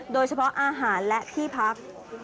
โดยเฉพาะอาหารและที่พัก